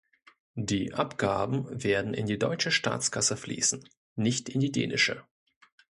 Die Abgaben werden in die deutsche Staatskasse fließen, nicht in die dänische.